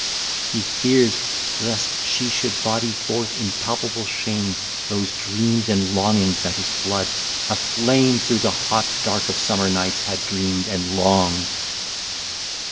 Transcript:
He fears Lest she should body forth in palpable shame Those dreams and longings that his blood, aflame Through the hot dark of summer nights, had dreamed And longed.